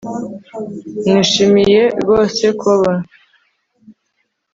Nishimiye rwose kukubona